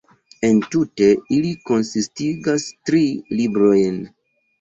Entute ili konsistigas tri "librojn".